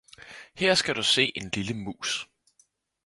Her skal du se en lille mus